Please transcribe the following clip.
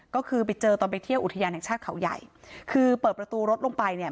ก็คือไปเจอตอนไปเที่ยวอุทยานแห่งชาติเขาใหญ่คือเปิดประตูรถลงไปเนี่ย